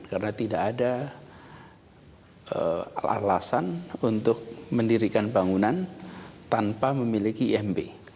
karena tidak ada alasan untuk mendirikan bangunan tanpa memiliki imb